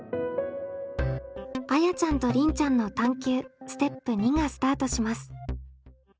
あやちゃんとりんちゃんの探究ステップ２がスタートします。